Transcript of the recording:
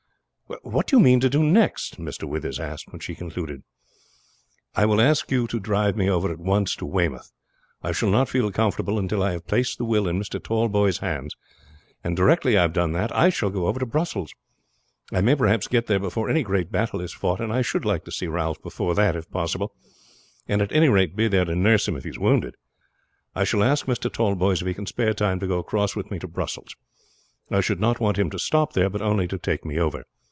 "What do you mean to do next?" Mr. Withers asked when she concluded. "I will ask you to drive me over at once to Weymouth. I shall not feel comfortable until I have placed the will in Mr. Tallboys' hands; and directly I have done that I shall go over to Brussels. I may perhaps get there before any great battle is fought; and I should like to see Ralph before that, if possible, and at any rate be there to nurse him if he was wounded. I shall ask Mr. Tallboys if he can spare time to go across with me to Brussels. I should not want him to stop there, but only to take me over.